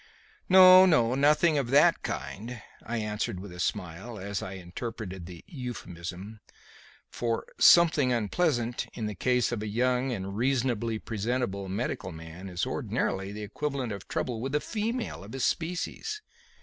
"No, no; nothing of that kind," I answered with a smile as I interpreted the euphemism; for "something unpleasant," in the case of a young and reasonably presentable medical man is ordinarily the equivalent of trouble with the female of his species.